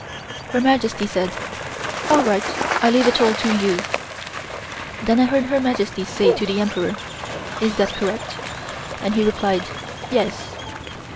Her Majesty said: "All right, I leave it all to you." Then I heard Her Majesty say to the Emperor, "Is that correct?" and he replied, "Yes."